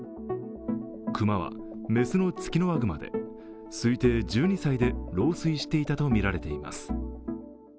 熊は雌のツキノワグマで推定１２歳で老衰していたとみられています。